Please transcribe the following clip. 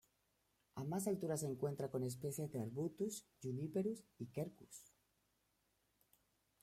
A más altura se encuentra con especies de "Arbutus", "Juniperus" y "Quercus".